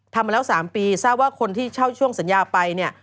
มาแล้ว๓ปีทราบว่าคนที่เช่าช่วงสัญญาไปเนี่ย